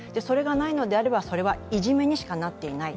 それがないのであれば、それはいじめにしかなっていない。